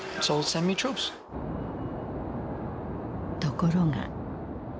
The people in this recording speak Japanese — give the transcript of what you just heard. ところが。